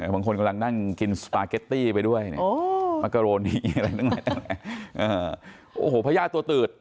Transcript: บางคนกำลังนั่งกินสปาเก็ตตี้ไปด้วยมักโกโรนิอะไรตั้งแต่